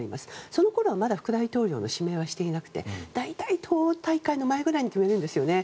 そのころはまだ副大統領の指名はしていなくて大体、党大会の前ぐらいに決めるんですよね。